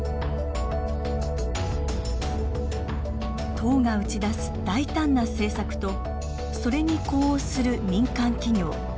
党が打ち出す大胆な政策とそれに呼応する民間企業。